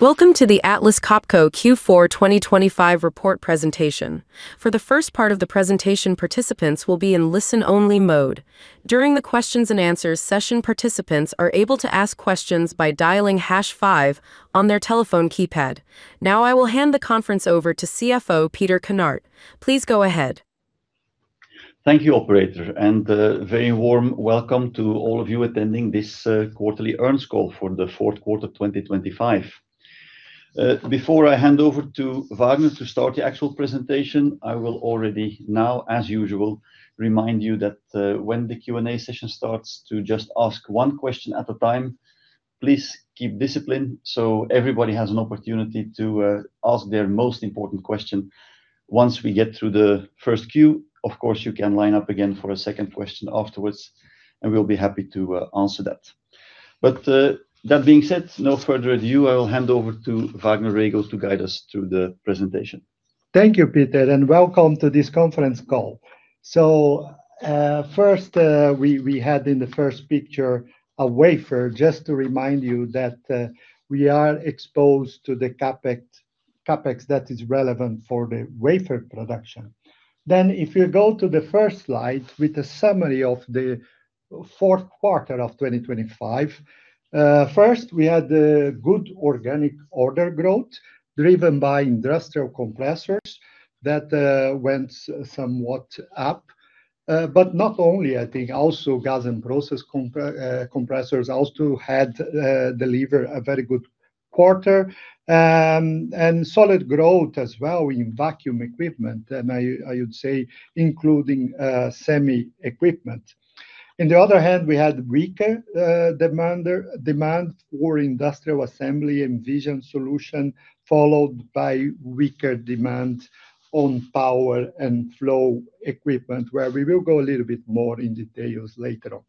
Welcome to the Atlas Copco Q4 2025 report presentation. For the first part of the presentation, participants will be in listen-only mode. During the Q&A session, participants are able to ask questions by dialing hash five on their telephone keypad. Now, I will hand the conference over to CFO Peter Kinnart. Please go ahead. Thank you, Operator, and a very warm welcome to all of you attending this quarterly earnings call for the fourth quarter of 2025. Before I hand over to Vagner to start the actual presentation, I will already now, as usual, remind you that when the Q&A session starts, to just ask one question at a time. Please keep discipline so everybody has an opportunity to ask their most important question. Once we get through the first queue, of course, you can line up again for a second question afterwards, and we'll be happy to answer that. But that being said, no further ado, I will hand over to Vagner Rego to guide us through the presentation. Thank you, Peter, and welcome to this conference call. So first, we had in the first picture a wafer, just to remind you that we are exposed to the CapEx that is relevant for the wafer production. Then, if you go to the first slide with the summary of the fourth quarter of 2025, first, we had good organic order growth driven by industrial compressors that went somewhat up, but not only, I think, also Gas and Process compressors also had delivered a very good quarter and solid growth as well in vacuum equipment, and I would say including semi equipment. On the other hand, we had weaker demand for Industrial Assembly and Vision Solutions, followed by weaker demand on Power and Flow equipment, where we will go a little bit more in detail later on.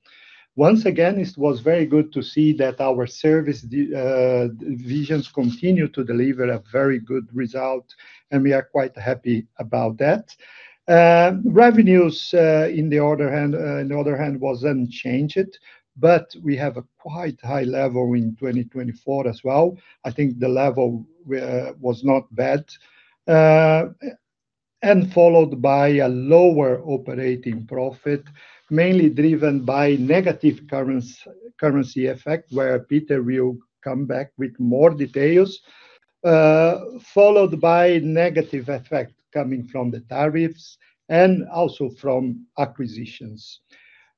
Once again, it was very good to see that our service business continues to deliver a very good result, and we are quite happy about that. Revenues, on the other hand, was unchanged, but we have a quite high level in 2024 as well. I think the level was not bad, and followed by a lower operating profit, mainly driven by negative currency effect, where Peter will come back with more details, followed by negative effect coming from the tariffs and also from acquisitions.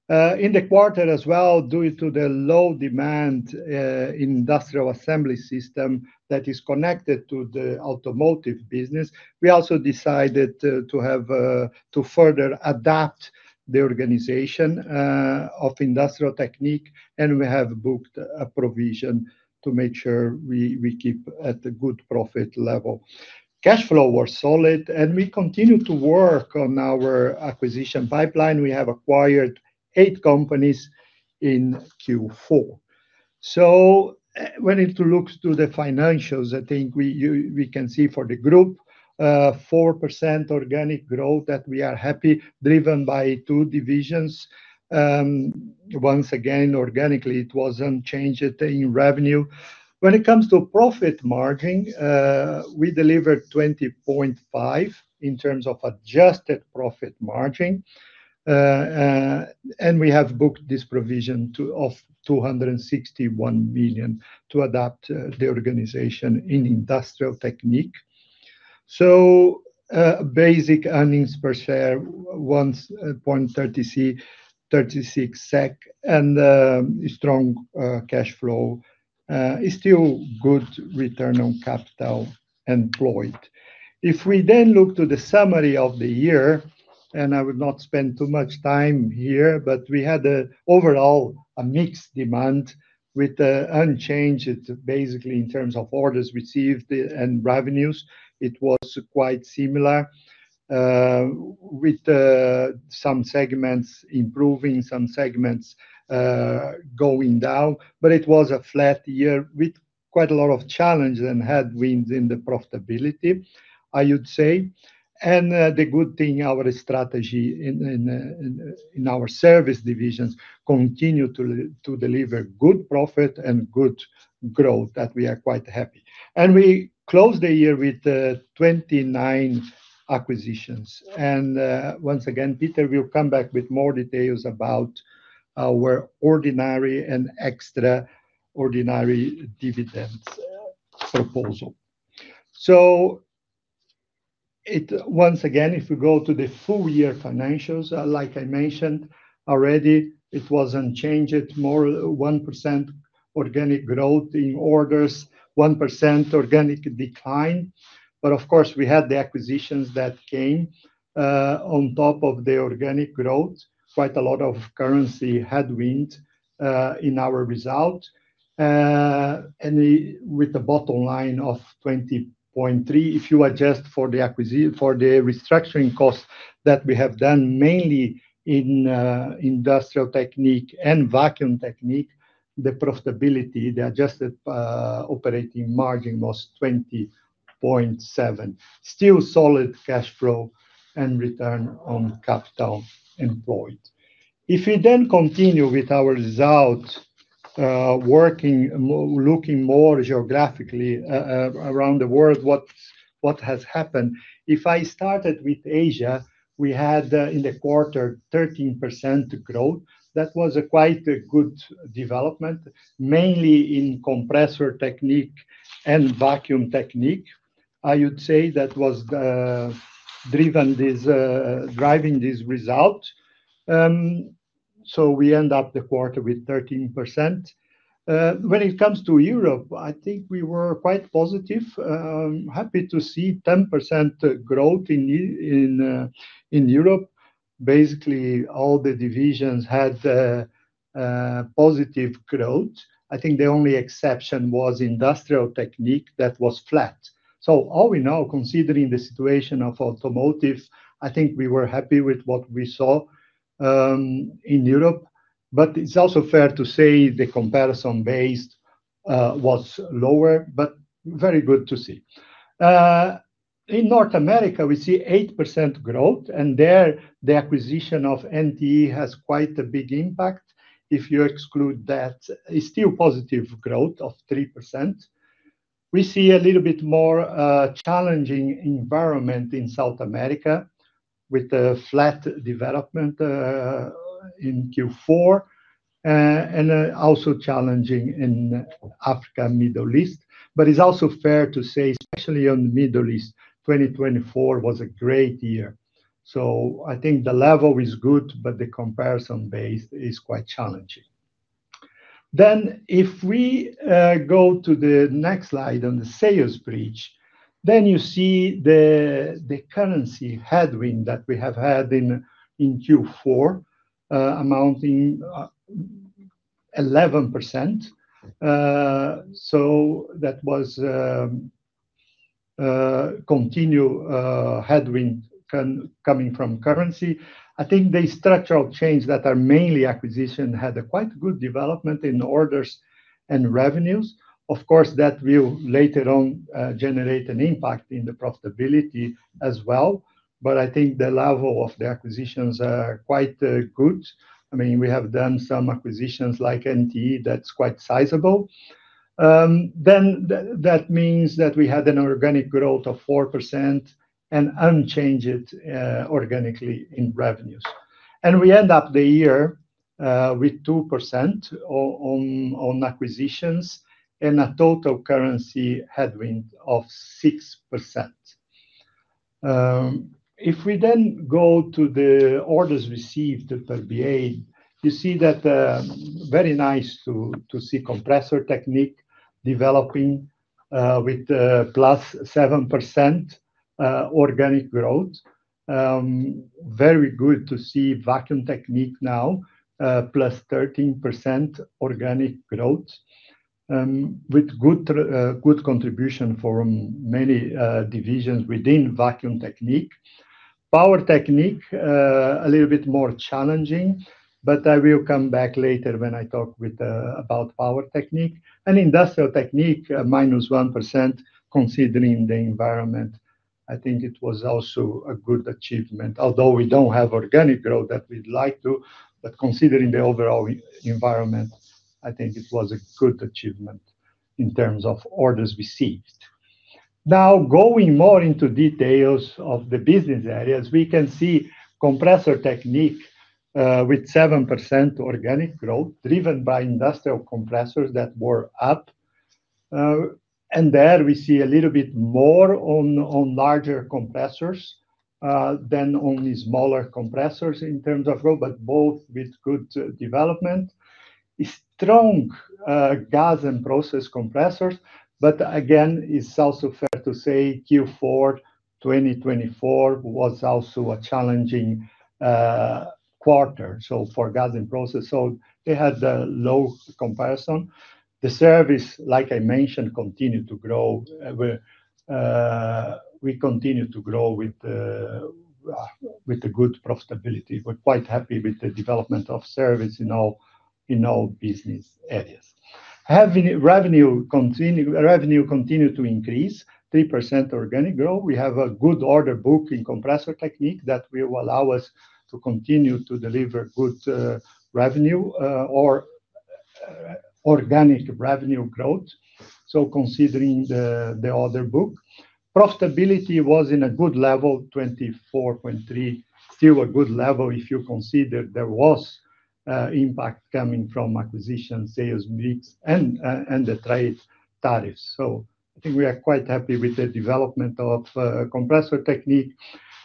In the quarter as well, due to the low demand Industrial assembly system that is connected to the automotive business, we also decided to further adapt the organization of Industrial Technique, and we have booked a provision to make sure we keep at a good profit level. Cash flow was solid, and we continue to work on our acquisition pipeline. We have acquired 8 companies in Q4. So when it looks to the financials, I think we can see for the group 4% organic growth that we are happy, driven by two divisions. Once again, organically, it was unchanged in revenue. When it comes to profit margin, we delivered 20.5% in terms of adjusted profit margin, and we have booked this provision of 261 million to adapt the organization in Industrial Technique. So basic earnings per share, 1.36 SEK, and strong cash flow is still a good return on capital employed. If we then look to the summary of the year, and I will not spend too much time here, but we had overall a mixed demand with unchanged, basically in terms of orders received and revenues, it was quite similar, with some segments improving, some segments going down, but it was a flat year with quite a lot of challenges and headwinds in the profitability, I would say. And the good thing, our strategy in our service divisions continued to deliver good profit and good growth that we are quite happy. And we closed the year with 29 acquisitions. And once again, Peter will come back with more details about our ordinary and extraordinary dividends proposal. So once again, if we go to the full year financials, like I mentioned already, it was unchanged, more 1% organic growth in orders, 1% organic decline. But of course, we had the acquisitions that came on top of the organic growth, quite a lot of currency headwinds in our result, and with a bottom line of 20.3%. If you adjust for the restructuring costs that we have done, mainly in Industrial Technique and Vacuum Technique, the profitability, the adjusted operating margin was 20.7%, still solid cash flow and return on capital employed. If we then continue with our result, looking more geographically around the world, what has happened? If I started with Asia, we had in the quarter 13% growth. That was quite a good development, mainly in Compressor Technique and Vacuum Technique. I would say that was driving this result. So we end up the quarter with 13%. When it comes to Europe, I think we were quite positive, happy to see 10% growth in Europe. Basically, all the divisions had positive growth. I think the only exception was Industrial Technique that was flat. So all in all, considering the situation of automotive, I think we were happy with what we saw in Europe. But it's also fair to say the comparison base was lower, but very good to see. In North America, we see 8% growth, and there the acquisition of NPE has quite a big impact. If you exclude that, it's still positive growth of 3%. We see a little bit more challenging environment in South America with a flat development in Q4, and also challenging in Africa, Middle East. But it's also fair to say, especially on the Middle East, 2024 was a great year. So I think the level is good, but the comparison base is quite challenging. Then if we go to the next slide on the sales bridge, then you see the currency headwind that we have had in Q4, amounting to 11%. So that was continued headwind coming from currency. I think the structural changes that are mainly acquisitions had a quite good development in orders and revenues. Of course, that will later on generate an impact in the profitability as well. But I think the level of the acquisitions are quite good. I mean, we have done some acquisitions like NPE that's quite sizable. Then that means that we had an organic growth of 4% and unchanged organically in revenues. And we end up the year with 2% on acquisitions and a total currency headwind of 6%. If we then go to the orders received per BA, you see that. Very nice to see Compressor Technique developing with +7% organic growth. Very good to see Vacuum Technique now, plus 13% organic growth with good contribution from many divisions within Vacuum Technique. Power Technique, a little bit more challenging, but I will come back later when I talk about Power Technique. Industrial Technique, minus 1% considering the environment. I think it was also a good achievement, although we don't have organic growth that we'd like to, but considering the overall environment, I think it was a good achievement in terms of orders received. Now, going more into details of the business areas, we can see Compressor Technique with 7% organic growth driven by Industrial compressors that were up. And there we see a little bit more on larger compressors than on smaller compressors in terms of growth, but both with good development. Strong gas and process compressors. But again, it's also fair to say Q4 2024 was also a challenging quarter, so for gas and process. So they had a low comparison. The service, like I mentioned, continued to grow. We continue to grow with a good profitability. We're quite happy with the development of service in all business areas. Revenue continued to increase, 3% organic growth. We have a good order book in Compressor Technique that will allow us to continue to deliver good revenue or organic revenue growth. So considering the order book, profitability was in a good level, 24.3, still a good level if you consider there was impact coming from acquisition, sales breach, and the trade tariffs. So I think we are quite happy with the development of Compressor Technique.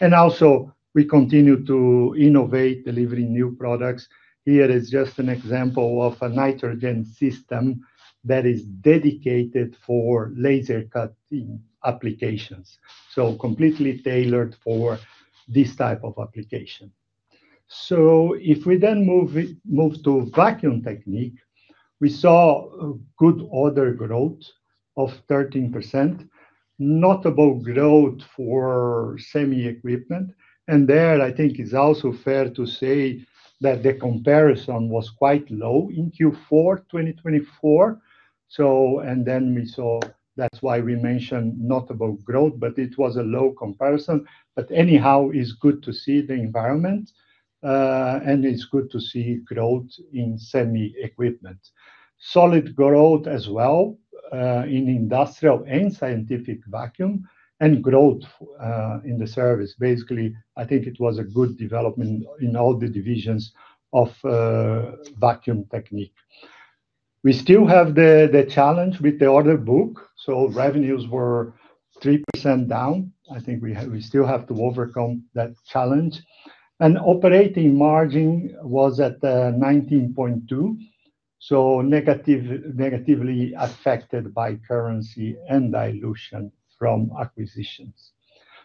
And also we continue to innovate, delivering new products. Here is just an example of a nitrogen system that is dedicated for laser cutting applications. So completely tailored for this type of application. So if we then move to Vacuum Technique, we saw good order growth of 13%, notable growth for semi equipment. And there I think it's also fair to say that the comparison was quite low in Q4 2024. And then we saw that's why we mentioned notable growth, but it was a low comparison. But anyhow, it's good to see the environment, and it's good to see growth in semi equipment. Solid growth as well in industrial and scientific vacuum and growth in the service. Basically, I think it was a good development in all the divisions of Vacuum Technique. We still have the challenge with the order book. So revenues were 3% down. I think we still have to overcome that challenge. Operating margin was at 19.2%, so negatively affected by currency and dilution from acquisitions.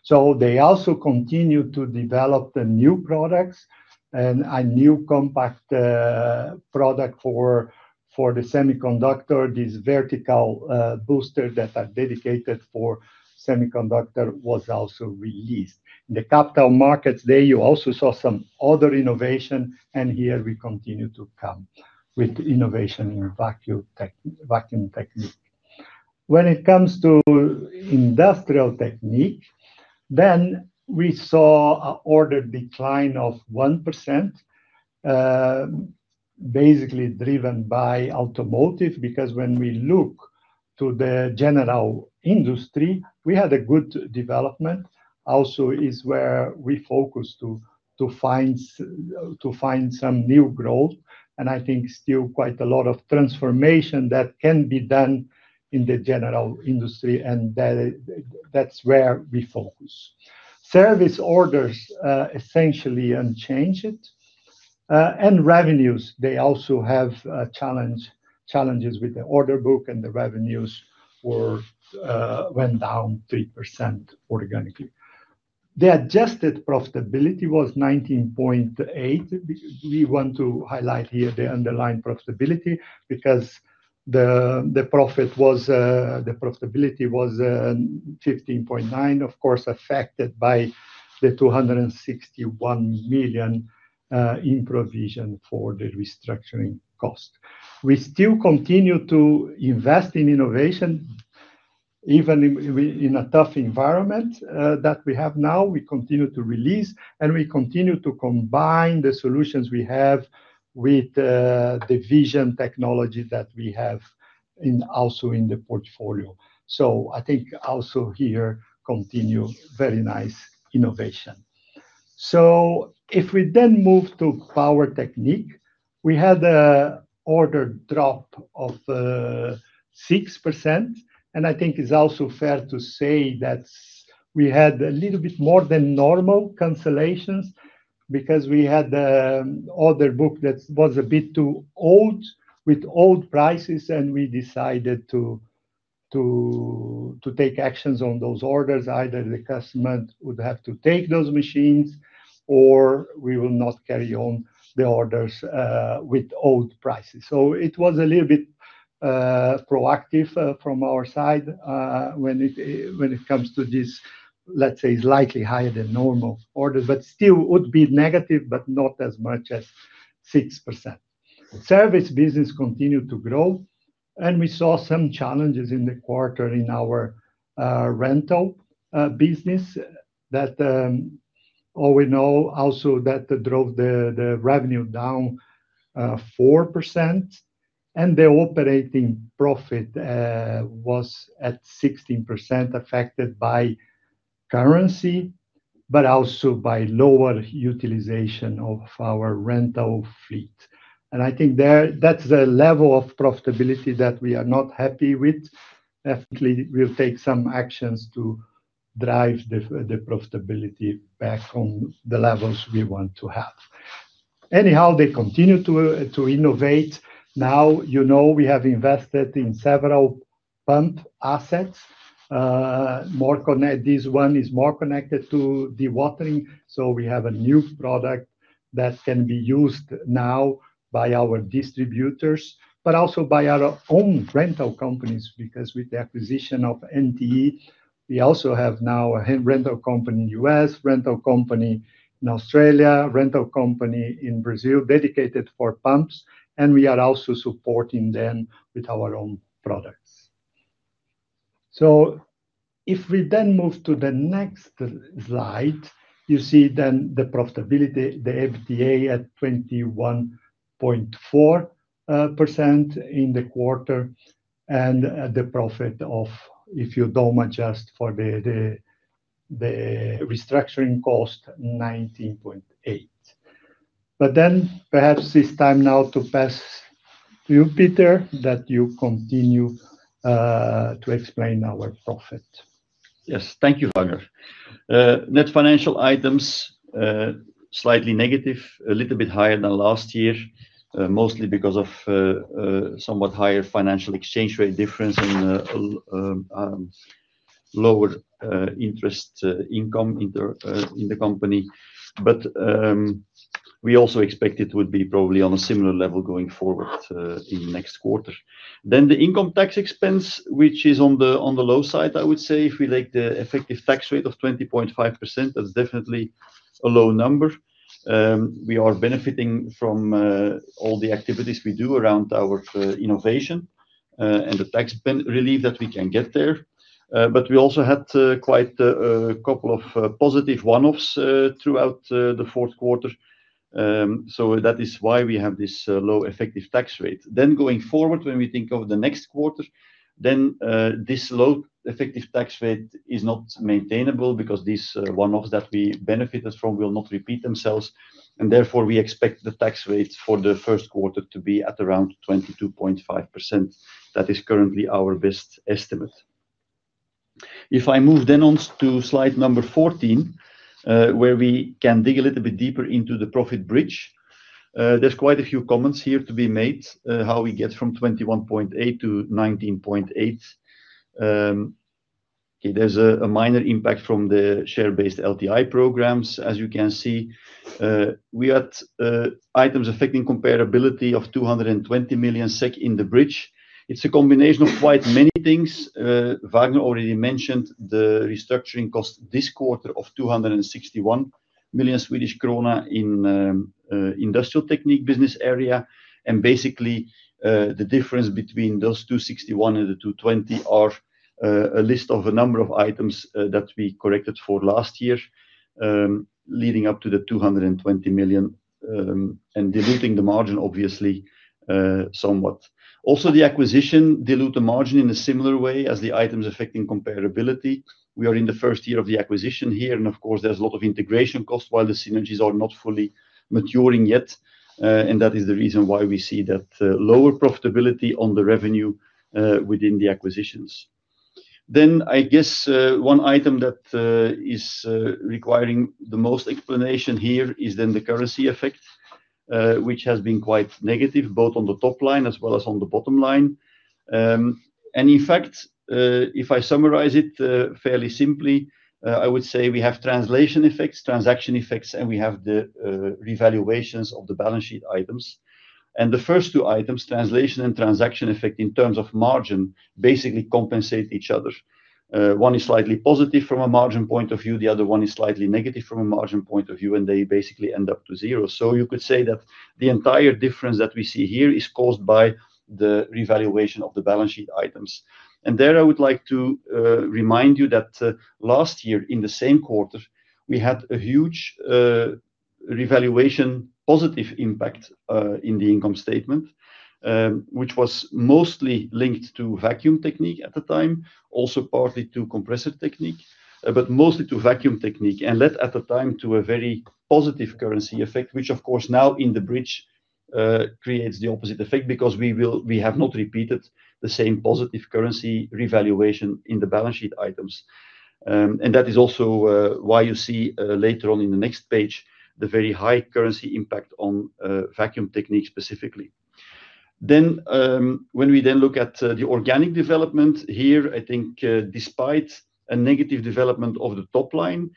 They also continue to develop the new products and a new compact product for the semiconductor, this vertical booster that are dedicated for semiconductor was also released. In the capital markets, there you also saw some other innovation, and here we continue to come with innovation in Vacuum Technique. When it comes to Industrial Technique, then we saw an order decline of 1%, basically driven by automotive, because when we look to the general industry, we had a good development. Also is where we focus to find some new growth. And I think still quite a lot of transformation that can be done in the general industry, and that's where we focus. Service orders essentially unchanged. And revenues, they also have challenges with the order book, and the revenues went down 3% organically. The adjusted profitability was 19.8%. We want to highlight here the underlying profitability because the profit was the profitability was 15.9%, of course, affected by the 261 million in provision for the restructuring cost. We still continue to invest in innovation, even in a tough environment that we have now. We continue to release, and we continue to combine the solutions we have with the vision technology that we have also in the portfolio. So I think also here continue very nice innovation. So if we then move to Power Technique, we had an order drop of 6%. And I think it's also fair to say that we had a little bit more than normal cancellations because we had the order book that was a bit too old with old prices, and we decided to take actions on those orders. Either the customer would have to take those machines, or we will not carry on the orders with old prices. So it was a little bit proactive from our side when it comes to this, let's say, slightly higher than normal orders, but still would be negative, but not as much as 6%. Service business continued to grow, and we saw some challenges in the quarter in our rental business that all we know also that drove the revenue down 4%. And the operating profit was at 16% affected by currency, but also by lower utilization of our rental fleet. And I think that's the level of profitability that we are not happy with. We'll take some actions to drive the profitability back on the levels we want to have. Anyhow, they continue to innovate. Now, we have invested in several pump assets. This one is more connected to dewatering. So we have a new product that can be used now by our distributors, but also by our own rental companies because with the acquisition of NPE, we also have now a rental company in the U.S., rental company in Australia, rental company in Brazil dedicated for pumps, and we are also supporting them with our own products. So if we then move to the next slide, you see then the profitability, the EBITA at 21.4% in the quarter and the profit of, if you don't adjust for the restructuring cost, 19.8%. But then perhaps it's time now to pass to you, Peter, that you continue to explain our profit. Yes, thank you, Vagner. Net financial items slightly negative, a little bit higher than last year, mostly because of somewhat higher financial exchange rate difference and lower interest income in the company. But we also expect it would be probably on a similar level going forward in next quarter. Then the income tax expense, which is on the low side, I would say, if we take the effective tax rate of 20.5%, that's definitely a low number. We are benefiting from all the activities we do around our innovation and the tax relief that we can get there. But we also had quite a couple of positive one-offs throughout the fourth quarter. So that is why we have this low effective tax rate. Then going forward, when we think of the next quarter, then this low effective tax rate is not maintainable because these one-offs that we benefited from will not repeat themselves. And therefore, we expect the tax rate for the first quarter to be at around 22.5%. That is currently our best estimate. If I move then on to slide 14, where we can dig a little bit deeper into the profit bridge, there's quite a few comments here to be made how we get from 21.8 to 19.8. There's a minor impact from the share-based LTI programs, as you can see. We had items affecting comparability of 220 million SEK in the bridge. It's a combination of quite many things. Vagner already mentioned the restructuring cost this quarter of 261 million Swedish krona in Industrial Technique Business Area. And basically, the difference between those 261 and the 220 are a list of a number of items that we corrected for last year leading up to the 220 million and diluting the margin, obviously, somewhat. Also, the acquisition diluted the margin in a similar way as the items affecting comparability. We are in the first year of the acquisition here, and of course, there's a lot of integration costs while the synergies are not fully maturing yet. And that is the reason why we see that lower profitability on the revenue within the acquisitions. Then I guess one item that is requiring the most explanation here is then the currency effect, which has been quite negative both on the top line as well as on the bottom line. And in fact, if I summarize it fairly simply, I would say we have translation effects, transaction effects, and we have the revaluations of the balance sheet items. And the first two items, translation and transaction effect in terms of margin, basically compensate each other. One is slightly positive from a margin point of view. The other one is slightly negative from a margin point of view, and they basically end up to zero. So you could say that the entire difference that we see here is caused by the revaluation of the balance sheet items. And there I would like to remind you that last year in the same quarter, we had a huge revaluation positive impact in the income statement, which was mostly linked to Vacuum Technique at the time, also partly to Compressor Technique, but mostly to Vacuum Technique. And that at the time to a very positive currency effect, which of course now in the breach creates the opposite effect because we have not repeated the same positive currency revaluation in the balance sheet items. And that is also why you see later on in the next page the very high currency impact on Vacuum Technique specifically. Then when we then look at the organic development here, I think despite a negative development of the top line,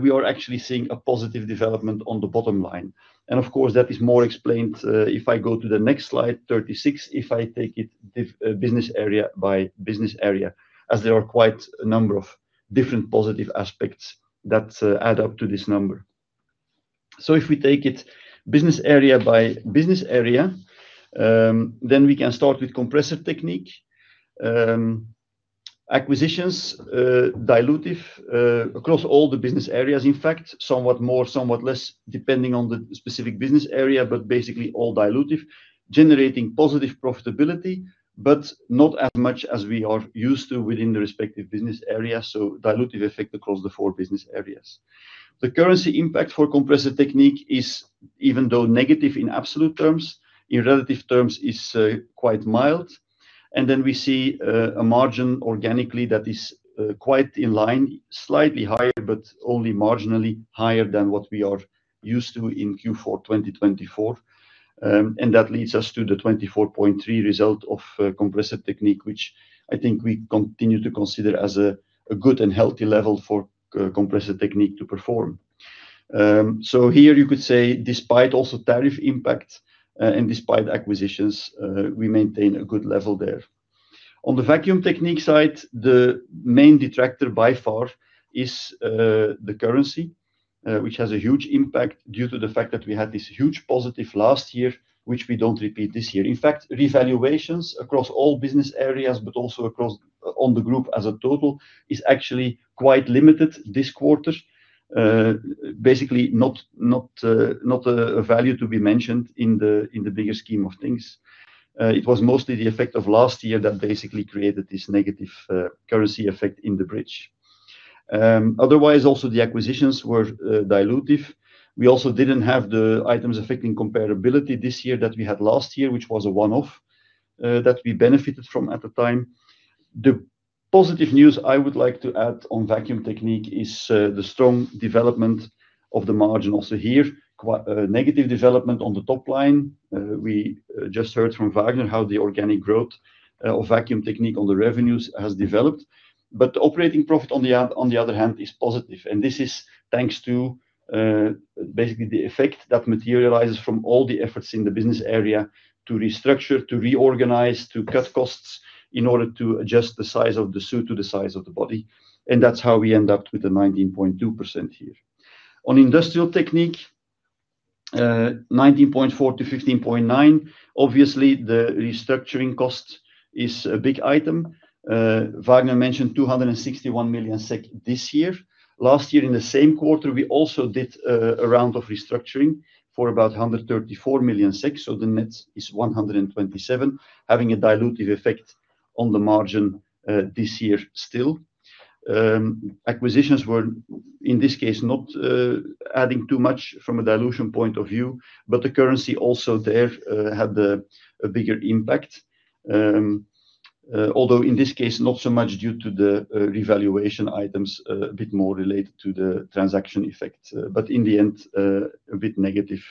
we are actually seeing a positive development on the bottom line. And of course, that is more explained if I go to the next slide, 36, if I take it Business Area by Business Area, as there are quite a number of different positive aspects that add up to this number. So if we take it Business Area by Business Area, then we can start with Compressor Technique acquisitions dilutive across all the Business Areas, in fact, somewhat more, somewhat less depending on the specific Business Area, but basically all dilutive, generating positive profitability, but not as much as we are used to within the respective Business Areas. So dilutive effect across the four Business Areas. The currency impact for Compressor Technique is, even though negative in absolute terms, in relative terms is quite mild. Then we see a margin organically that is quite in line, slightly higher, but only marginally higher than what we are used to in Q4 2024. And that leads us to the 24.3% result of Compressor Technique, which I think we continue to consider as a good and healthy level for Compressor Technique to perform. So here you could say, despite also tariff impact and despite acquisitions, we maintain a good level there. On the Vacuum Technique side, the main detractor by far is the currency, which has a huge impact due to the fact that we had this huge positive last year, which we don't repeat this year. In fact, revaluations across all Business Areas, but also across the Group as a total is actually quite limited this quarter. Basically, not a value to be mentioned in the bigger scheme of things. It was mostly the effect of last year that basically created this negative currency effect in Brazil. Otherwise, also the acquisitions were dilutive. We also didn't have the items affecting comparability this year that we had last year, which was a one-off that we benefited from at the time. The positive news I would like to add on Vacuum Technique is the strong development of the margin also here, negative development on the top line. We just heard from Vagner how the organic growth of Vacuum Technique on the revenues has developed. But the operating profit on the other hand is positive. This is thanks to basically the effect that materializes from all the efforts in the business area to restructure, to reorganize, to cut costs in order to adjust the size of the suit to the size of the body. That's how we end up with the 19.2% here. On Industrial Technique, 19.4%-15.9%. Obviously, the restructuring cost is a big item. Vagner mentioned 261 million SEK this year. Last year, in the same quarter, we also did a round of restructuring for about 134 million. So the net is 127 million, having a dilutive effect on the margin this year still. Acquisitions were, in this case, not adding too much from a dilution point of view, but the currency also there had a bigger impact. Although in this case, not so much due to the revaluation items, a bit more related to the transaction effect, but in the end, a bit negative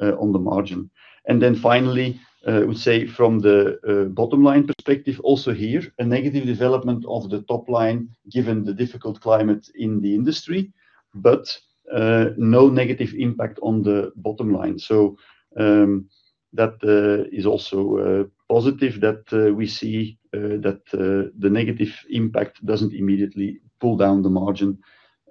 on the margin. And then finally, I would say from the bottom line perspective, also here, a negative development of the top line given the difficult climate in the industry, but no negative impact on the bottom line. So that is also positive that we see that the negative impact doesn't immediately pull down the margin.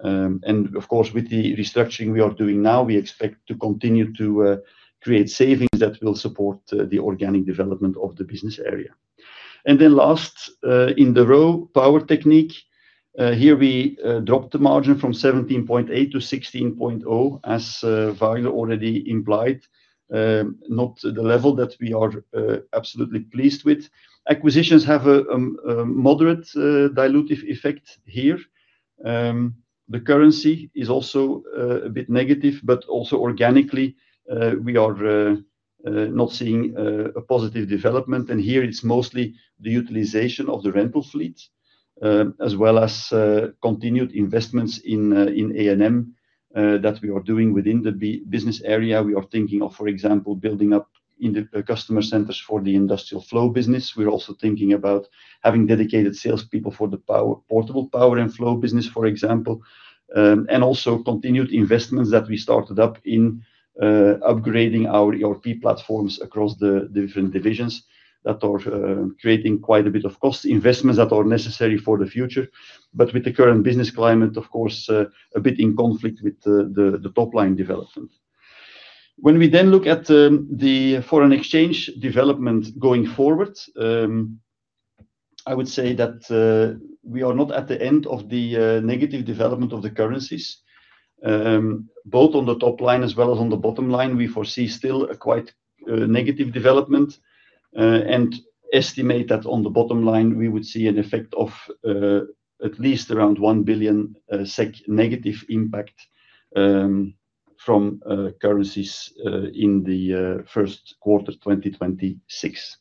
And of course, with the restructuring we are doing now, we expect to continue to create savings that will support the organic development of the business area. And then last in the row, Power Technique. Here we dropped the margin from 17.8%-16.0%, as Vagner already implied, not the level that we are absolutely pleased with. Acquisitions have a moderate dilutive effect here. The currency is also a bit negative, but also organically, we are not seeing a positive development. And here it's mostly the utilization of the rental fleet as well as continued investments in A&M that we are doing within the business area. We are thinking of, for example, building up customer centers for the industrial flow business. We're also thinking about having dedicated salespeople for the portable power and flow business, for example. And also continued investments that we started up in upgrading our ERP platforms across the different divisions that are creating quite a bit of cost investments that are necessary for the future. But with the current business climate, of course, a bit in conflict with the top line development. When we then look at the foreign exchange development going forward, I would say that we are not at the end of the negative development of the currencies. Both on the top line as well as on the bottom line, we foresee still a quite negative development and estimate that on the bottom line, we would see an effect of at least around 1 billion SEK negative impact from currencies in the first quarter 2026.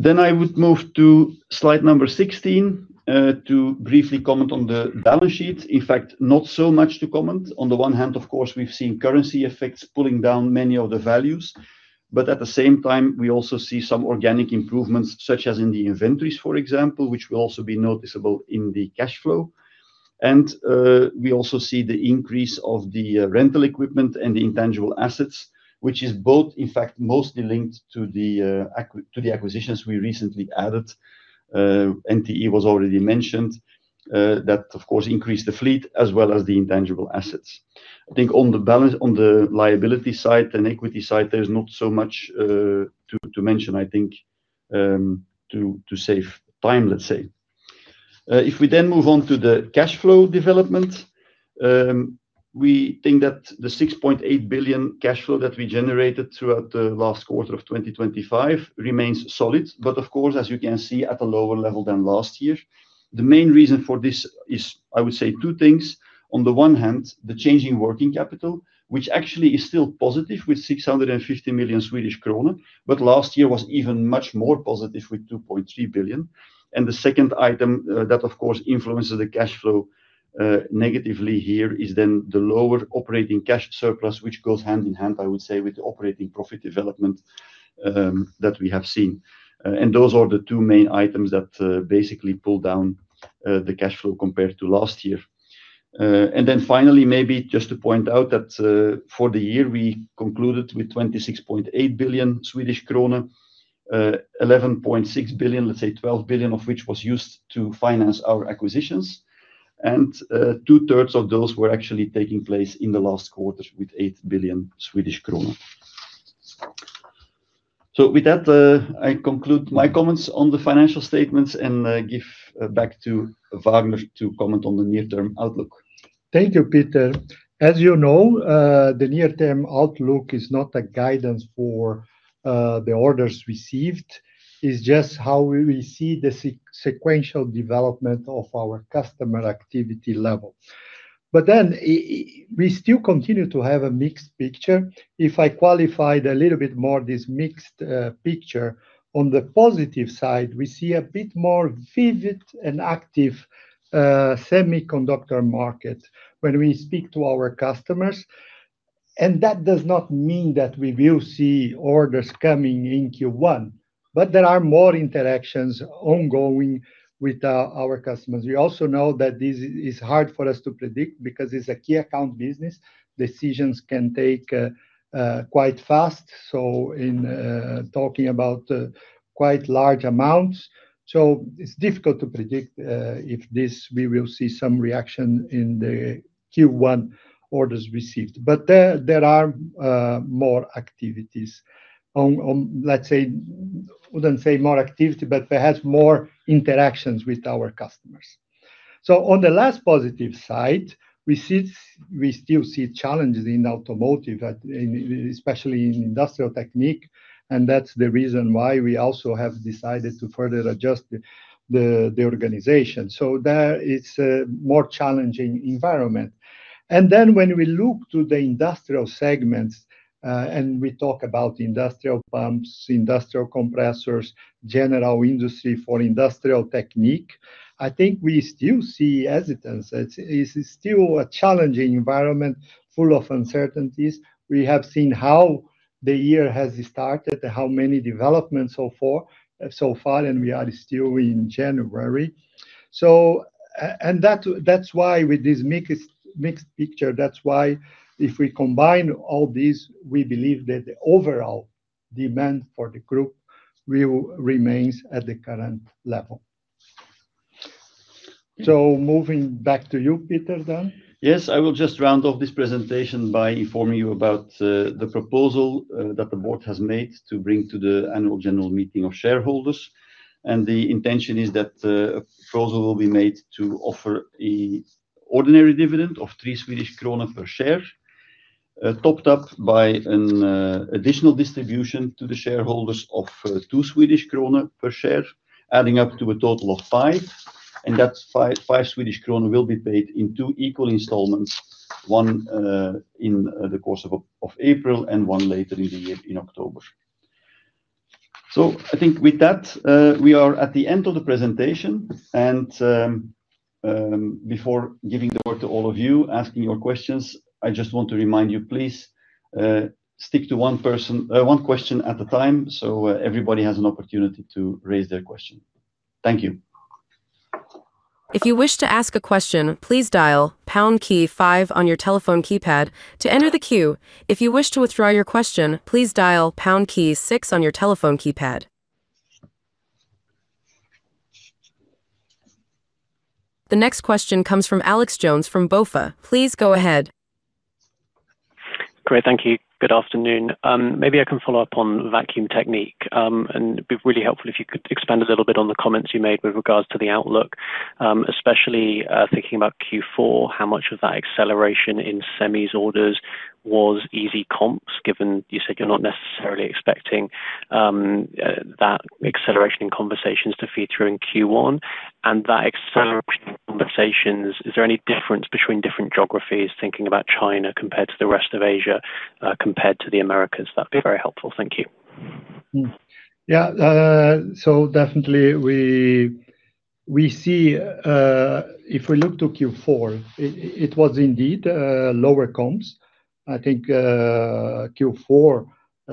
Then I would move to slide number 16 to briefly comment on the balance sheet. In fact, not so much to comment. On the one hand, of course, we've seen currency effects pulling down many of the values. But at the same time, we also see some organic improvements, such as in the inventories, for example, which will also be noticeable in the cash flow. And we also see the increase of the rental equipment and the intangible assets, which is both, in fact, mostly linked to the acquisitions we recently added. NTE was already mentioned that, of course, increased the fleet as well as the intangible assets. I think on the liability side and equity side, there's not so much to mention, I think, to save time, let's say. If we then move on to the cash flow development, we think that the 6.8 billion cash flow that we generated throughout the last quarter of 2025 remains solid. But of course, as you can see, at a lower level than last year. The main reason for this is, I would say, two things. On the one hand, the changing working capital, which actually is still positive with 650 million Swedish krona, but last year was even much more positive with 2.3 billion. And the second item that, of course, influences the cash flow negatively here is then the lower operating cash surplus, which goes hand in hand, I would say, with the operating profit development that we have seen. And those are the two main items that basically pull down the cash flow compared to last year. And then finally, maybe just to point out that for the year, we concluded with 26.8 billion Swedish krona, 11.6 billion, let's say 12 billion of which was used to finance our acquisitions. And two-thirds of those were actually taking place in the last quarter with 8 billion Swedish kronor. So with that, I conclude my comments on the financial statements and give back to Vagner to comment on the near-term outlook. Thank you, Peter. As you know, the near-term outlook is not a guidance for the orders received. It's just how we see the sequential development of our customer activity level. But then we still continue to have a mixed picture. If I qualify a little bit more this mixed picture, on the positive side, we see a bit more vivid and active semiconductor market when we speak to our customers. And that does not mean that we will see orders coming in Q1, but there are more interactions ongoing with our customers. We also know that this is hard for us to predict because it's a key account business. Decisions can take quite fast. So in talking about quite large amounts, so it's difficult to predict if this we will see some reaction in the Q1 orders received. But there are more activities. Let's say, I wouldn't say more activity, but perhaps more interactions with our customers. So, on the last positive side, we still see challenges in automotive, especially in Industrial Technique. That's the reason why we also have decided to further adjust the organization. So there is a more challenging environment. Then when we look to the industrial segments and we talk about industrial pumps, industrial compressors, general industry for Industrial Technique, I think we still see hesitance. It's still a challenging environment full of uncertainties. We have seen how the year has started, how many developments so far, and we are still in January. That's why with this mixed picture, that's why if we combine all these, we believe that the overall demand for the group remains at the current level. So moving back to you, Peter, then. Yes, I will just round off this presentation by informing you about the proposal that the board has made to bring to the annual general meeting of shareholders. The intention is that a proposal will be made to offer an ordinary dividend of 3 Swedish krona per share, topped up by an additional distribution to the shareholders of 2 Swedish kronor per share, adding up to a total of 5. That 5 Swedish krona will be paid in two equal installments, one in the course of April and one later in the year in October. I think with that, we are at the end of the presentation. Before giving the word to all of you, asking your questions, I just want to remind you, please stick to one question at a time. Everybody has an opportunity to raise their question. Thank you. If you wish to ask a question, please dial pound key five on your telephone keypad to enter the queue. If you wish to withdraw your question, please dial pound key six on your telephone keypad. The next question comes from Alex Jones from BofA. Please go ahead. Great, thank you. Good afternoon. Maybe I can follow up on Vacuum Technique. And it'd be really helpful if you could expand a little bit on the comments you made with regards to the outlook, especially thinking about Q4, how much of that acceleration in semis orders was easy comps, given you said you're not necessarily expecting that acceleration in conversations to feed through in Q1. And that acceleration in conversations, is there any difference between different geographies, thinking about China compared to the rest of Asia, compared to the Americas? That'd be very helpful. Thank you. Yeah, so definitely we see if we look to Q4, it was indeed lower comps. I think Q4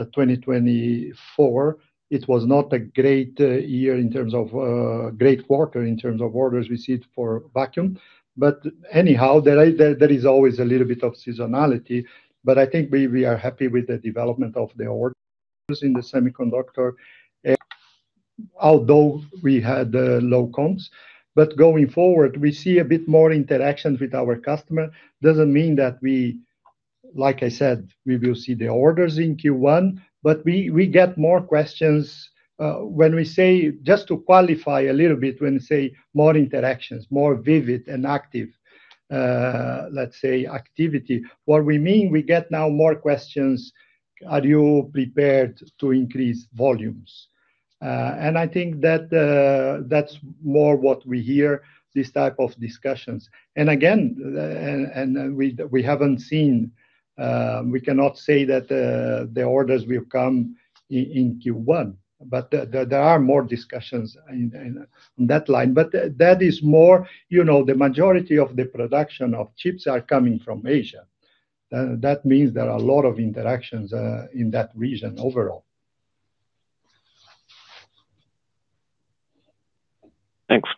2024, it was not a great year in terms of a great quarter in terms of orders received for vacuum. But anyhow, there is always a little bit of seasonality. But I think we are happy with the development of the orders in the semiconductor, although we had low comps. But going forward, we see a bit more interaction with our customer. Doesn't mean that we, like I said, we will see the orders in Q1, but we get more questions. When we say, just to qualify a little bit, when we say more interactions, more vivid and active, let's say, activity, what we mean, we get now more questions, are you prepared to increase volumes? And I think that that's more what we hear, this type of discussions. And again, we haven't seen, we cannot say that the orders will come in Q1, but there are more discussions on that line. But that is more, the majority of the production of chips are coming from Asia. That means there are a lot of interactions in that region overall. Thanks.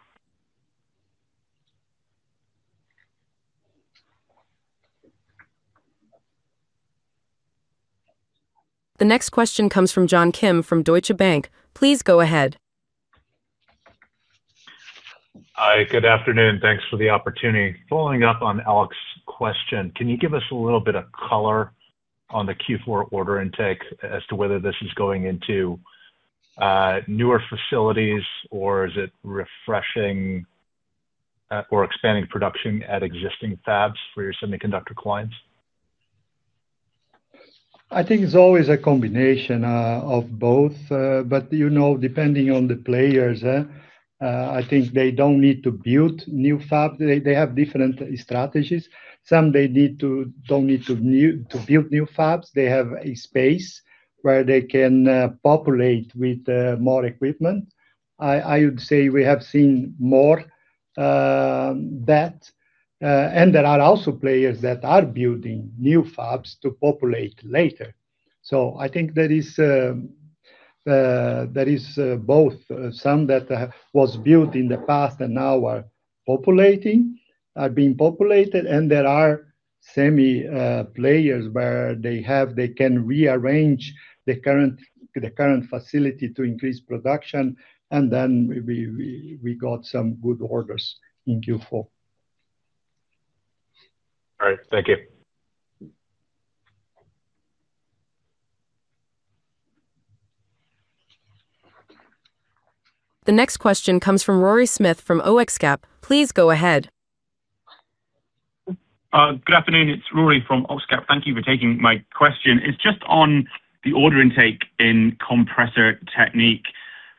The next question comes from John Kim from Deutsche Bank. Please go ahead. Hi, good afternoon. Thanks for the opportunity. Following up on Alex's question, can you give us a little bit of color on the Q4 order intake as to whether this is going into newer facilities or is it refreshing or expanding production at existing fabs for your semiconductor clients? I think it's always a combination of both. But depending on the players, I think they don't need to build new fabs. They have different strategies. Some don't need to build new fabs. They have a space where they can populate with more equipment. I would say we have seen more that. And there are also players that are building new fabs to populate later. So I think that is both. Some that was built in the past and now are populating, are being populated. And there are semi players where they can rearrange the current facility to increase production. And then we got some good orders in Q4. All right, thank you. The next question comes from Rory Smith from OxCap. Please go ahead. Good afternoon. It's Rory from OxCap. Thank you for taking my question. It's just on the order intake in Compressor Technique.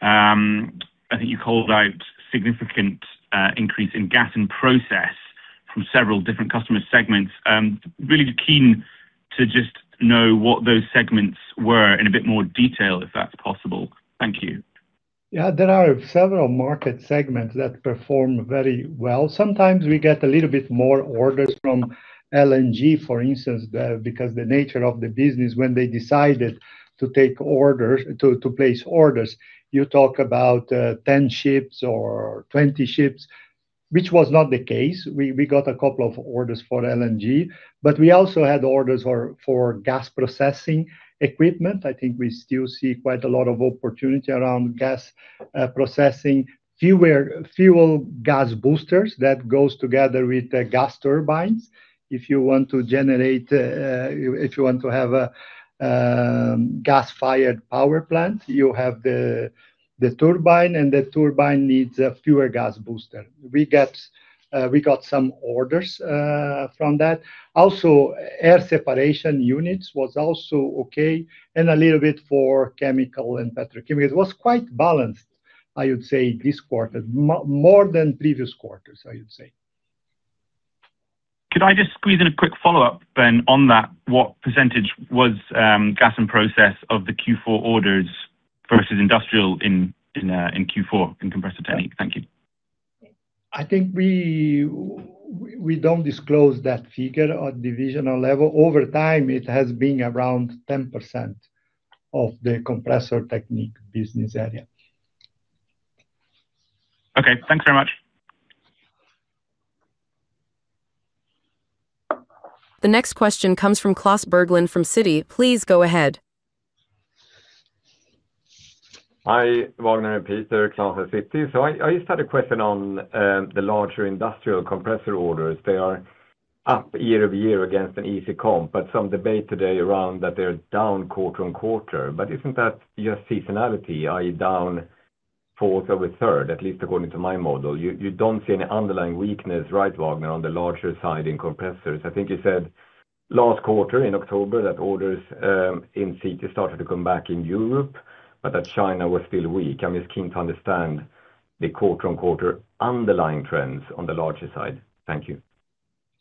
I think you called out significant increase in gas in process from several different customer segments. Really keen to just know what those segments were in a bit more detail, if that's possible. Thank you. Yeah, there are several market segments that perform very well. Sometimes we get a little bit more orders from LNG, for instance, because the nature of the business, when they decided to place orders, you talk about 10 ships or 20 ships, which was not the case. We got a couple of orders for LNG. But we also had orders for gas processing equipment. I think we still see quite a lot of opportunity around gas processing, fuel gas boosters that go together with gas turbines. If you want to generate, if you want to have a gas-fired power plant, you have the turbine, and the turbine needs a fuel gas booster. We got some orders from that. Also, air separation units was also okay, and a little bit for chemical and petrochemical. It was quite balanced, I would say, this quarter, more than previous quarters, I would say. Could I just squeeze in a quick follow-up, Ben, on that? What percentage was gas in process of the Q4 orders versus industrial in Q4 in Compressor Technique? Thank you. I think we don't disclose that figure at divisional level. Over time, it has been around 10% of the Compressor Technique Business Area. Okay, thanks very much. The next question comes from Klas Bergelind from Citi. Please go ahead. Hi, Vagner and Peter, Klas at Citi. So I just had a question on the larger industrial compressor orders. They are up year-over-year against an easy comp, but some debate today around that they're down quarter-on-quarter. But isn't that just seasonality, i.e., down fourth over third, at least according to my model? You don't see any underlying weakness, right, Vagner, on the larger side in compressors? I think you said last quarter in October that orders in CT started to come back in Europe, but that China was still weak. I'm just keen to understand the quarter-over-quarter underlying trends on the larger side. Thank you.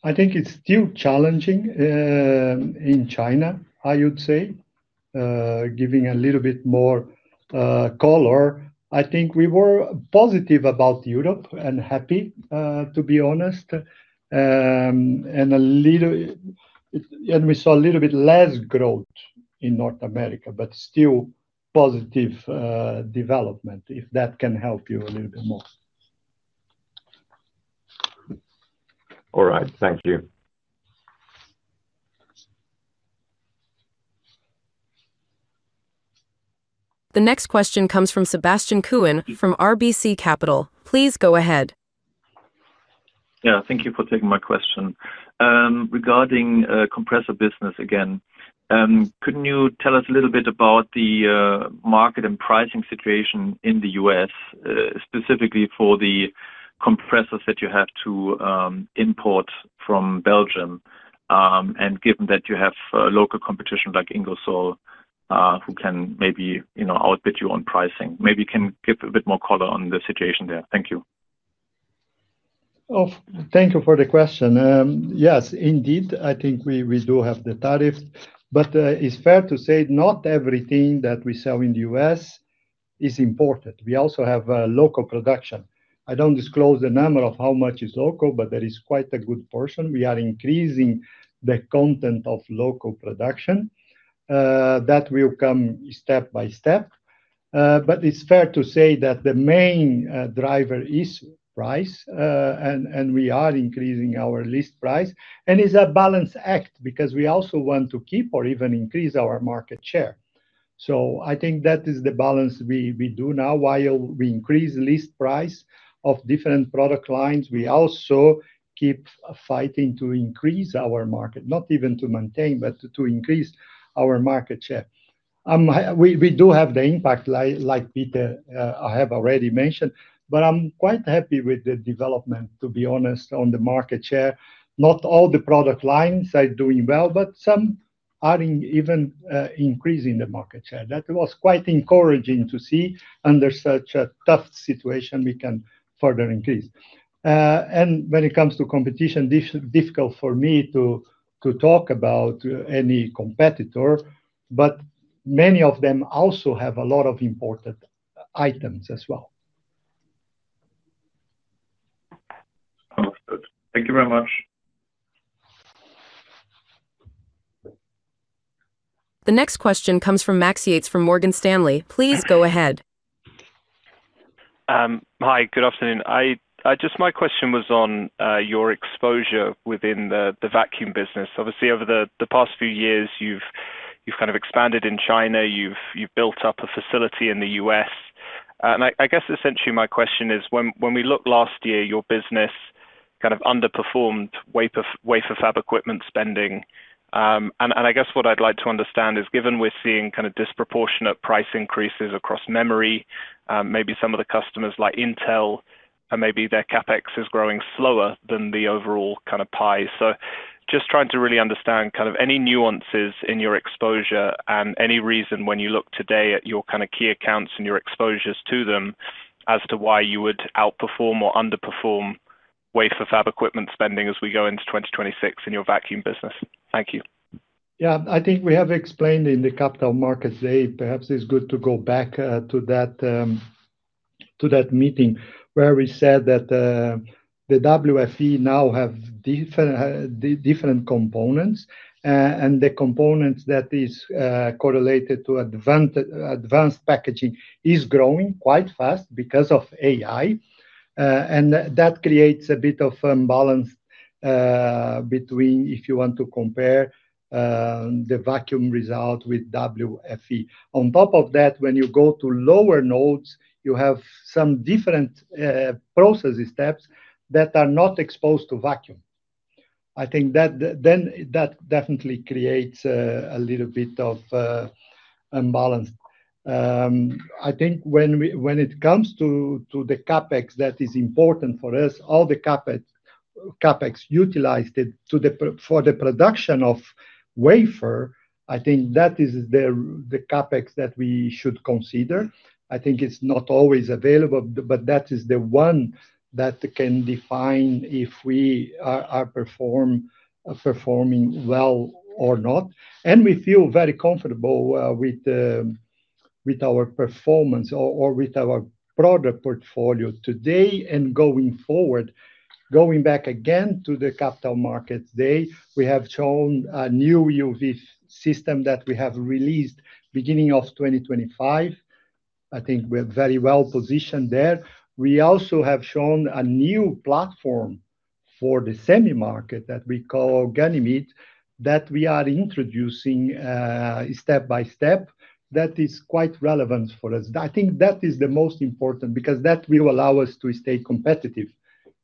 I think it's still challenging in China, I would say, giving a little bit more color. I think we were positive about Europe and happy, to be honest. And we saw a little bit less growth in North America, but still positive development, if that can help you a little bit more. All right, thank you. The next question comes from Sebastian Kuenne from RBC Capital Markets. Please go ahead. Yeah, thank you for taking my question. Regarding compressor business again, couldn't you tell us a little bit about the market and pricing situation in the U.S., specifically for the compressors that you have to import from Belgium? Given that you have local competition like Ingersoll, who can maybe undercut you on pricing, maybe you can give a bit more color on the situation there. Thank you. Thank you for the question. Yes, indeed, I think we do have the tariff. But it's fair to say not everything that we sell in the U.S. is imported. We also have local production. I don't disclose the number of how much is local, but there is quite a good portion. We are increasing the content of local production that will come step by step. But it's fair to say that the main driver is price, and we are increasing our list price. It's a balance act because we also want to keep or even increase our market share. I think that is the balance we do now. While we increase list price of different product lines, we also keep fighting to increase our market, not even to maintain, but to increase our market share. We do have the impact, like Peter I have already mentioned, but I'm quite happy with the development, to be honest, on the market share. Not all the product lines are doing well, but some are even increasing the market share. That was quite encouraging to see under such a tough situation, we can further increase. And when it comes to competition, difficult for me to talk about any competitor, but many of them also have a lot of important items as well. Thank you very much. The next question comes from Max Yates from Morgan Stanley. Please go ahead. Hi, good afternoon. Just my question was on your exposure within the vacuum business. Obviously, over the past few years, you've kind of expanded in China. You've built up a facility in the U.S. And I guess essentially my question is, when we look last year, your business kind of underperformed wafer fab equipment spending. And I guess what I'd like to understand is, given we're seeing kind of disproportionate price increases across memory, maybe some of the customers like Intel, and maybe their CapEx is growing slower than the overall kind of pie. So just trying to really understand kind of any nuances in your exposure and any reason when you look today at your kind of key accounts and your exposures to them as to why you would outperform or underperform wafer fab equipment spending as we go into 2026 in your vacuum business. Thank you. Yeah, I think we have explained in the Capital Markets Day. Perhaps it's good to go back to that meeting where we said that the WFE now have different components. The components that are correlated to advanced packaging are growing quite fast because of AI. That creates a bit of a balance between if you want to compare the vacuum result with WFE. On top of that, when you go to lower nodes, you have some different process steps that are not exposed to vacuum. I think that definitely creates a little bit of a balance. I think when it comes to the CapEx that is important for us, all the CapEx utilized for the production of wafer, I think that is the CapEx that we should consider. I think it's not always available, but that is the one that can define if we are performing well or not. We feel very comfortable with our performance or with our product portfolio today and going forward. Going back again to the Capital Markets Day, we have shown a new UV system that we have released beginning of 2025. I think we're very well positioned there. We also have shown a new platform for the semi market that we call Ganymede that we are introducing step by step that is quite relevant for us. I think that is the most important because that will allow us to stay competitive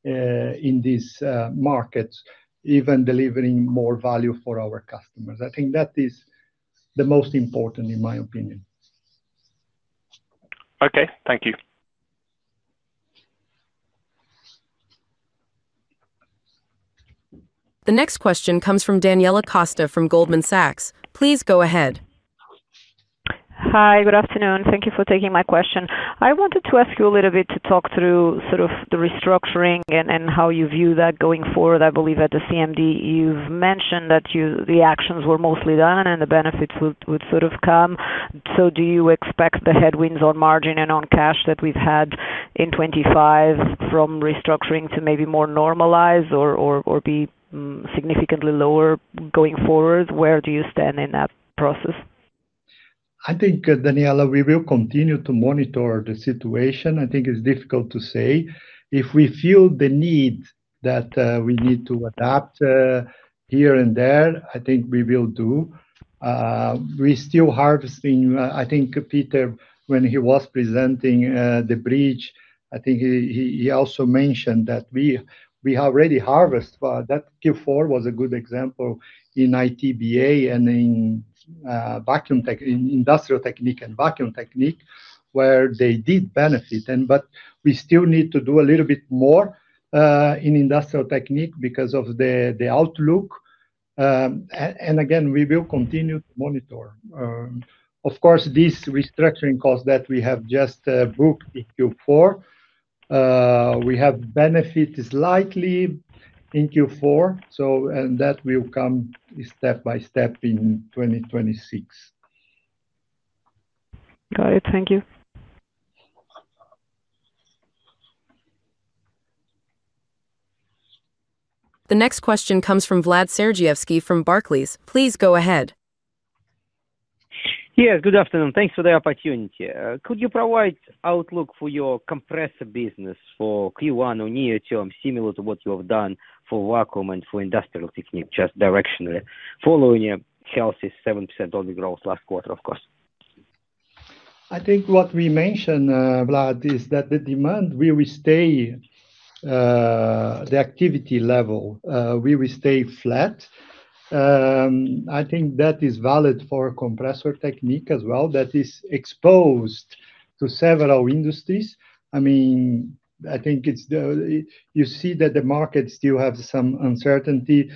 in these markets, even delivering more value for our customers. I think that is the most important, in my opinion. Okay, thank you. The next question comes from Daniela Costa from Goldman Sachs. Please go ahead. Hi, good afternoon. Thank you for taking my question. I wanted to ask you a little bit to talk through sort of the restructuring and how you view that going forward. I believe at the CMD, you've mentioned that the actions were mostly done and the benefits would sort of come. So do you expect the headwinds on margin and on cash that we've had in 2025 from restructuring to maybe more normalize or be significantly lower going forward? Where do you stand in that process? I think, Daniela, we will continue to monitor the situation. I think it's difficult to say. If we feel the need that we need to adapt here and there, I think we will do. We're still harvesting. I think Peter, when he was presenting the bridge, I think he also mentioned that we already harvest. That Q4 was a good example in EBITA and in Industrial Technique and Vacuum Technique where they did benefit. But we still need to do a little bit more in Industrial Technique because of the outlook. And again, we will continue to monitor. Of course, this restructuring cost that we have just booked in Q4, we have benefits likely in Q4, and that will come step by step in 2026. Got it. Thank you. The next question comes from Vladimir Sergievski from Barclays. Please go ahead. Yes, good afternoon. Thanks for the opportunity. Could you provide outlook for your compressor business for Q1 or near term, similar to what you have done for vacuum and for Industrial Technique, just directionally, following a healthy 7% only growth last quarter, of course? I think what we mentioned, Vlad, is that the demand, we will stay the activity level. We will stay flat. I think that is valid for Compressor Technique as well. That is exposed to several industries. I mean, I think you see that the market still has some uncertainty.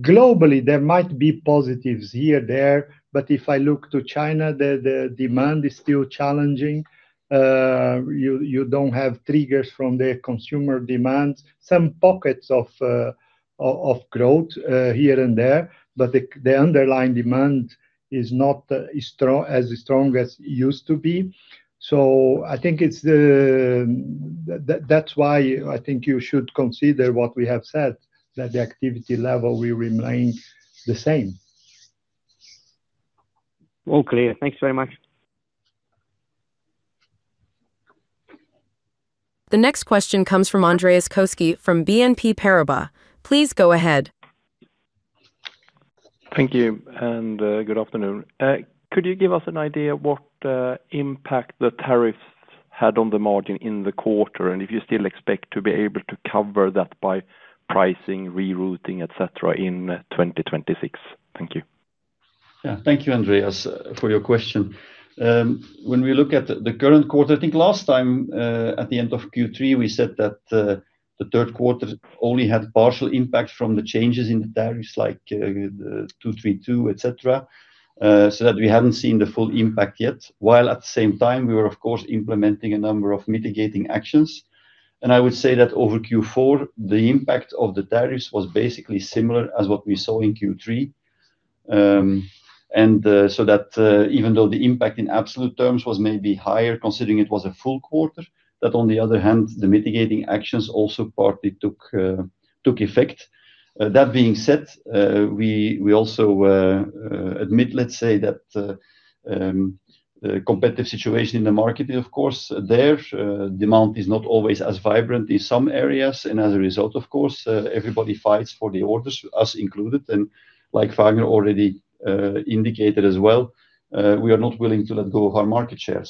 Globally, there might be positives here, there. But if I look to China, the demand is still challenging. You don't have triggers from the consumer demands, some pockets of growth here and there, but the underlying demand is not as strong as it used to be. So I think that's why I think you should consider what we have said, that the activity level will remain the same. All clear. Thanks very much. The next question comes from Andreas Koski from BNP Paribas. Please go ahead. Thank you. And good afternoon. Could you give us an idea of what impact the tariffs had on the margin in the quarter? And if you still expect to be able to cover that by pricing, rerouting, etc., in 2026? Thank you. Yeah, thank you, Andreas, for your question. When we look at the current quarter, I think last time at the end of Q3, we said that the third quarter only had partial impact from the changes in the tariffs like 232, etc., so that we hadn't seen the full impact yet. While at the same time, we were, of course, implementing a number of mitigating actions. And I would say that over Q4, the impact of the tariffs was basically similar as what we saw in Q3. And so that even though the impact in absolute terms was maybe higher, considering it was a full quarter, that on the other hand, the mitigating actions also partly took effect. That being said, we also admit, let's say, that the competitive situation in the market is, of course, there. Demand is not always as vibrant in some areas. And as a result, of course, everybody fights for the orders, us included. And like Vagner already indicated as well, we are not willing to let go of our market share.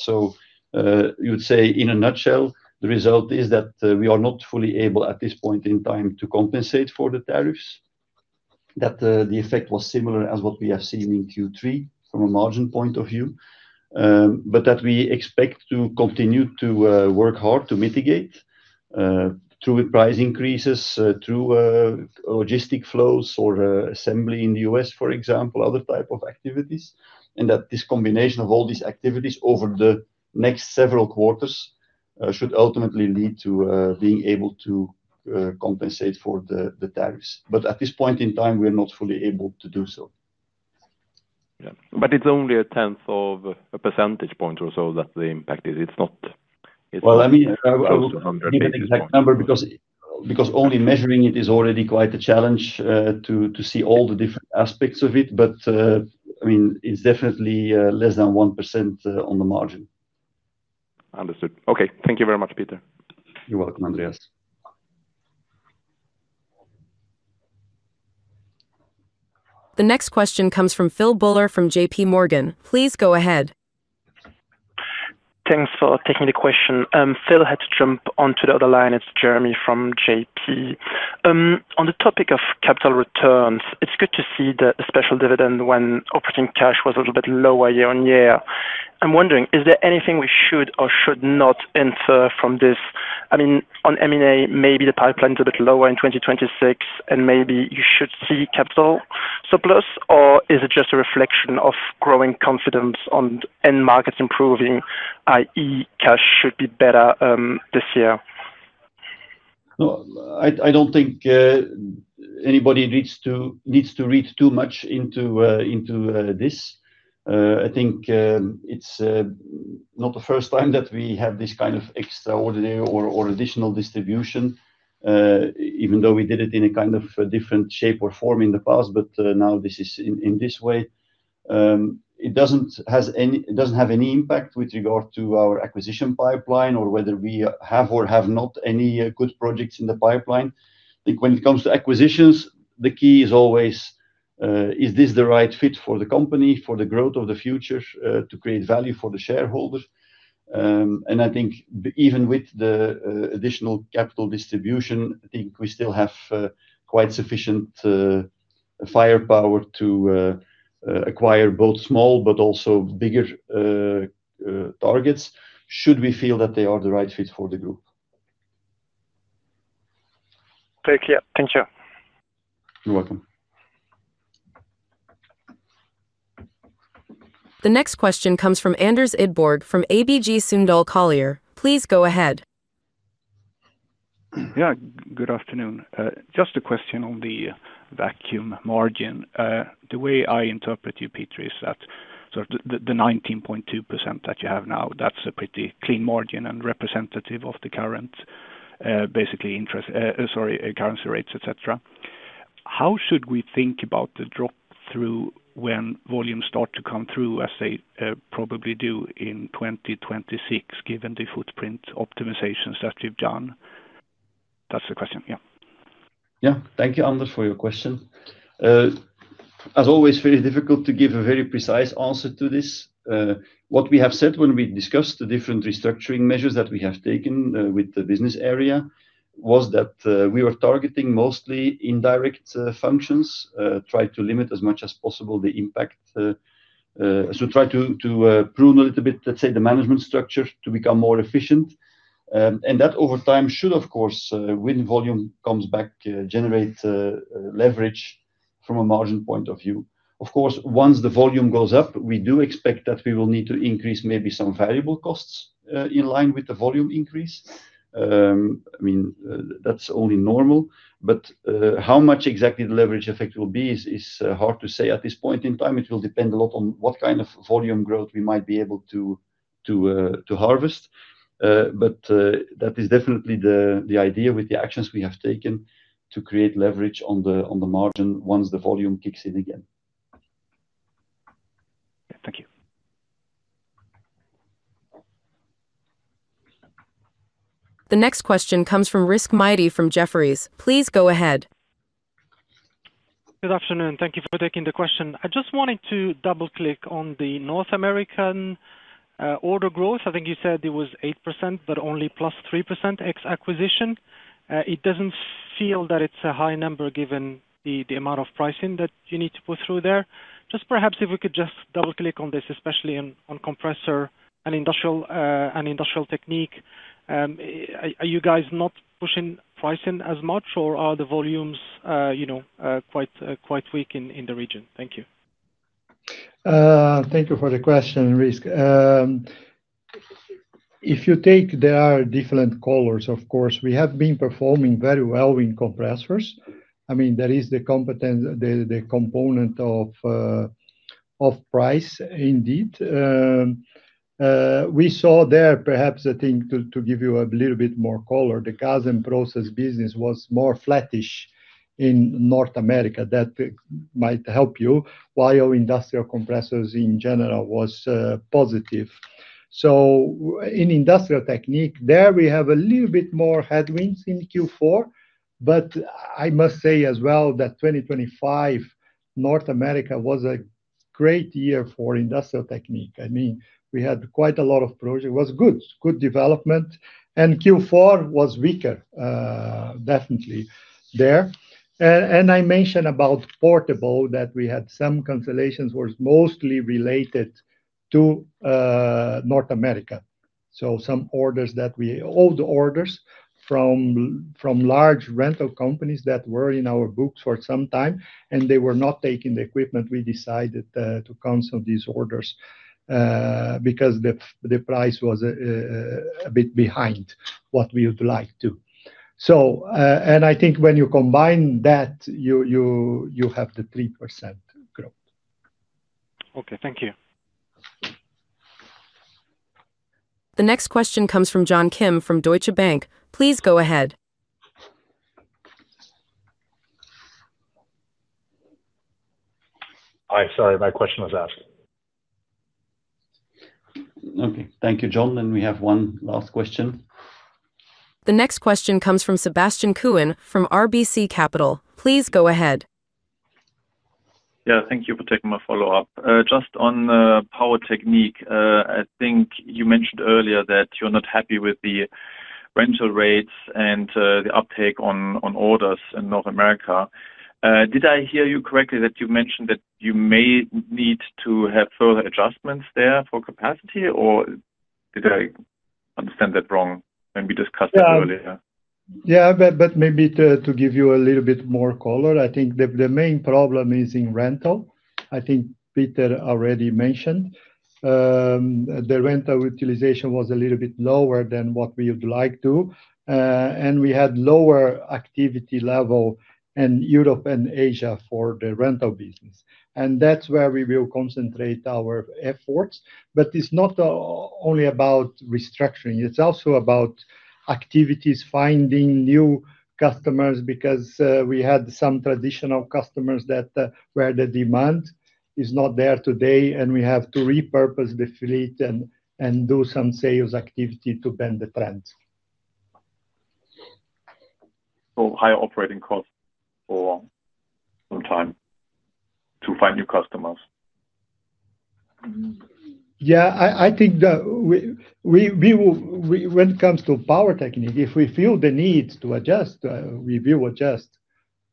So you would say in a nutshell, the result is that we are not fully able at this point in time to compensate for the tariffs, that the effect was similar as what we have seen in Q3 from a margin point of view, but that we expect to continue to work hard to mitigate through price increases, through logistic flows or assembly in the U.S., for example, other type of activities. And that this combination of all these activities over the next several quarters should ultimately lead to being able to compensate for the tariffs. But at this point in time, we are not fully able to do so. Yeah, but it's only 0.1 percentage point or so that the impact is. It's not. Well, I mean, I will give an exact number because only measuring it is already quite a challenge to see all the different aspects of it. But I mean, it's definitely less than 1% on the margin. Understood. Okay. Thank you very much, Peter. You're welcome, Andreas. The next question comes from Philip Buller from J.P. Morgan. Please go ahead. Thanks for taking the question. Phil had to jump onto the other line. It's Jeremy from J.P. Morgan. On the topic of capital returns, it's good to see the special dividend when operating cash was a little bit lower year-on-year. I'm wondering, is there anything we should or should not infer from this? I mean, on M&A, maybe the pipeline is a bit lower in 2026, and maybe you should see capital surplus, or is it just a reflection of growing confidence and markets improving, i.e., cash should be better this year? I don't think anybody needs to read too much into this. I think it's not the first time that we have this kind of extraordinary or additional distribution, even though we did it in a kind of different shape or form in the past, but now this is in this way. It doesn't have any impact with regard to our acquisition pipeline or whether we have or have not any good projects in the pipeline. I think when it comes to acquisitions, the key is always, is this the right fit for the company, for the growth of the future, to create value for the shareholders? And I think even with the additional capital distribution, I think we still have quite sufficient firepower to acquire both small but also bigger targets should we feel that they are the right fit for the group. Thank you. Thank you. You're welcome. The next question comes from Anders Idborg from ABG Sundal Collier. Please go ahead. Yeah, good afternoon. Just a question on the vacuum margin. The way I interpret you, Peter, is that sort of the 19.2% that you have now, that's a pretty clean margin and representative of the current, basically interest, sorry, currency rates, etc. How should we think about the drop through when volumes start to come through, as they probably do in 2026, given the footprint optimizations that we've done? That's the question. Yeah. Yeah. Thank you, Anders, for your question. As always, very difficult to give a very precise answer to this. What we have said when we discussed the different restructuring measures that we have taken with the business area was that we were targeting mostly indirect functions, trying to limit as much as possible the impact, to try to prune a little bit, let's say, the management structure to become more efficient. And that over time should, of course, when volume comes back, generate leverage from a margin point of view. Of course, once the volume goes up, we do expect that we will need to increase maybe some variable costs in line with the volume increase. I mean, that's only normal. But how much exactly the leverage effect will be is hard to say at this point in time. It will depend a lot on what kind of volume growth we might be able to harvest. But that is definitely the idea with the actions we have taken to create leverage on the margin once the volume kicks in again. Thank you. The next question comes from Rizk Maidi from Jefferies. Please go ahead. Good afternoon. Thank you for taking the question. I just wanted to double-click on the North American order growth. I think you said it was 8%, but only +3% ex-acquisition. It doesn't feel that it's a high number given the amount of pricing that you need to put through there. Just perhaps if we could just double-click on this, especially on Compressor Technique and Industrial Technique. Are you guys not pushing pricing as much, or are the volumes quite weak in the region? Thank you. Thank you for the question, Rizk. If you take there are different colors, of course. We have been performing very well in compressors. I mean, that is the component of price, indeed. We saw there, perhaps I think to give you a little bit more color, the Gas and Process business was more flattish in North America. That might help you, while industrial compressors in general was positive. So in Industrial Technique, there we have a little bit more headwinds in Q4. But I must say as well that 2025, North America was a great year for Industrial Technique. I mean, we had quite a lot of projects. It was good, good development. And Q4 was weaker, definitely, there. And I mentioned about portable that we had some cancellations were mostly related to North America. So some orders that we all the orders from large rental companies that were in our books for some time, and they were not taking the equipment. We decided to cancel these orders because the price was a bit behind what we would like to. And I think when you combine that, you have the 3% growth. Okay. Thank you. The next question comes from John Kim from Deutsche Bank. Please go ahead. Hi. Sorry, my question was asked. Okay. Thank you, John. And we have one last question. The next question comes from Sebastian Kuenne from RBC Capital. Please go ahead. Yeah. Thank you for taking my follow-up. Just on Power Technique, I think you mentioned earlier that you're not happy with the rental rates and the uptake on orders in North America. Did I hear you correctly that you mentioned that you may need to have further adjustments there for capacity, or did I understand that wrong when we discussed it earlier? Yeah, but maybe to give you a little bit more color, I think the main problem is in rental. I think Peter already mentioned the rental utilization was a little bit lower than what we would like to. And we had lower activity level in Europe and Asia for the rental business. And that's where we will concentrate our efforts. But it's not only about restructuring. It's also about activities, finding new customers because we had some traditional customers where the demand is not there today, and we have to repurpose the fleet and do some sales activity to bend the trends. So high operating costs for some time to find new customers. Yeah, I think when it comes to Power Technique, if we feel the need to adjust, we will adjust,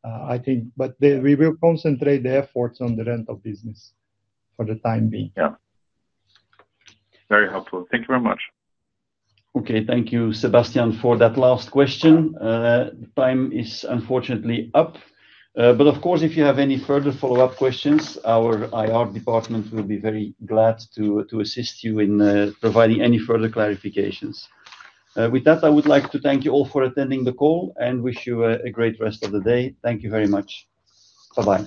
I think. But we will concentrate the efforts on the rental business for the time being. Yeah. Very helpful. Thank you very much. Okay. Thank you, Sebastian, for that last question. Time is unfortunately up. But of course, if you have any further follow-up questions, our IR department will be very glad to assist you in providing any further clarifications. With that, I would like to thank you all for attending the call and wish you a great rest of the day. Thank you very much. Bye-bye.